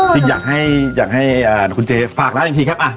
จริงอย่างให้คุณเจ้าฝากละอีกทีครับ